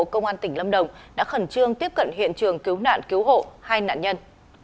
công an tỉnh lâm đồng đã khẩn trương tiếp cận hiện trường cứu nạn cứu hộ hai nạn nhân